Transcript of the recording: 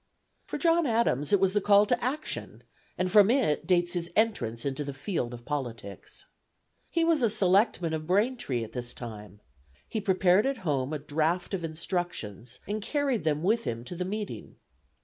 For John Adams, it was the call to action, and from it dates his entrance into the field of politics. He was a selectman of Braintree at this time: "he prepared at home a draft of instructions, and carried them with him to the meeting.